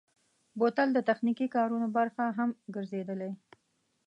بوتل د تخنیکي کارونو برخه هم ګرځېدلی.